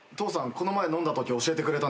この前飲んだとき教えてくれたんだ。